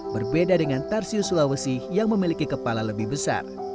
berbeda dengan tarsius sulawesi yang memiliki kepala lebih besar